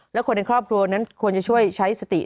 และคนในครอบครัวนั้นควรจะช่วยใช้สติ